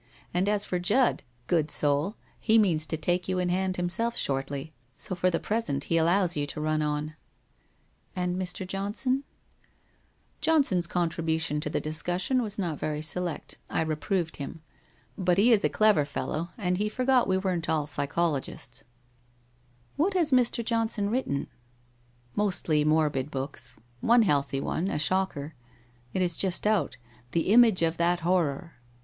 And as for Judd, good soul, he means to take you in hand himself shortly, so for the present he allows you to run on/ ' And Mr. Johnson ?' 1 Johnson's contribution to the discussion was not very select. I reproved him. But he is a clever fellow, and he forgot we weren't all psychologists/ ' What has Mr. Johnson written ?'' Mostly morbid books, one healthy one, a shocker. It is just out, " The Image of that Horror."